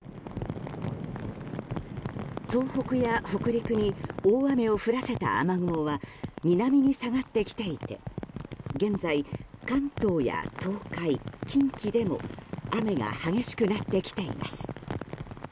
東北や北陸に大雨を降らせた雨雲は南に下がってきていて現在、関東や東海、近畿でも雨が激しくなってきています。